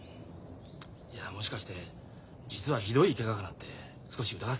いやもしかして実はひどいケガかなって少し疑ってたんです。